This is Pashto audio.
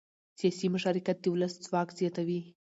سیاسي مشارکت د ولس ځواک زیاتوي